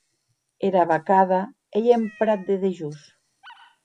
Era vacada ei en prat de dejós.